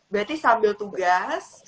berarti sambil tugas